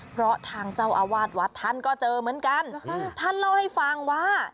เพราะทางเจ้าอาวาสวัดท่านก็เจอเหมือนกันท่านเล่าให้ฟังว่า